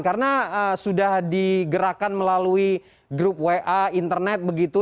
karena sudah digerakkan melalui grup wa internet begitu